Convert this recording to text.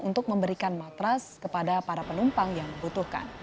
untuk memberikan matras kepada para penumpang yang membutuhkan